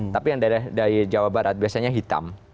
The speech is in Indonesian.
tapi yang dari jawa barat biasanya hitam